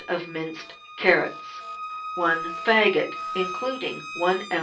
of minced carrots. i faggot, including i oz.